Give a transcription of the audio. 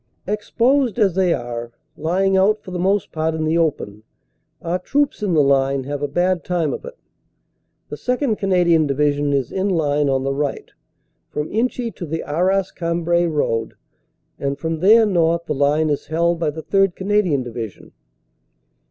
Exposed as they are, lying out for the most part in the 185 186 CANADA S HUNDRED DAYS open, our troops in the line have a bad time of it. The 2nd. Canadian Division is in line on the right, from Inchy to the Arras Cambrai road, and from there north the line is held by the 3rd. Canadian Division.